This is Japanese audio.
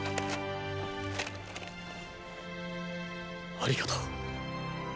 ありがとう。